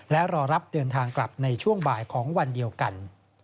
และรอรับเดินทางกลับในช่วงบ่ายของวันเดียวกัน